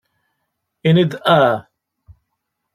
Ini-d aah.